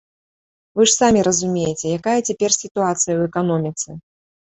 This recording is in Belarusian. Вы ж самі разумееце, якая цяпер сітуацыя ў эканоміцы.